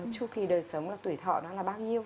trong khi đời sống là tuổi thọ nó là bao nhiêu